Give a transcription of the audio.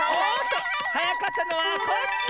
はやかったのはコッシー！